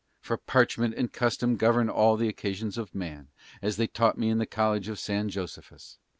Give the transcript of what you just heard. For parchment and custom govern all the possessions of man, as they taught me in the College of San Josephus.